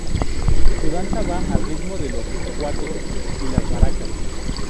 Su danza va al ritmo de los cuatros y las maracas.